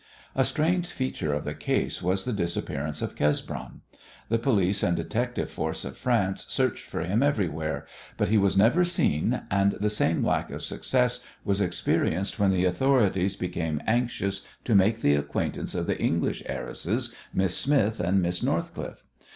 A strange feature of the case was the disappearance of Cesbron. The police and detective force of France searched for him everywhere, but he was never seen, and the same lack of success was experienced when the authorities became anxious to make the acquaintance of the English heiresses, Miss Smith and Miss Northcliffe.